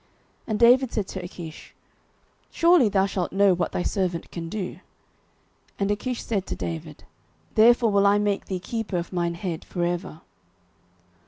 09:028:002 And David said to Achish, Surely thou shalt know what thy servant can do. And Achish said to David, Therefore will I make thee keeper of mine head for ever.